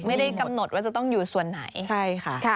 ไม่ได้กำหนดว่าจะต้องอยู่ส่วนไหนใช่ค่ะ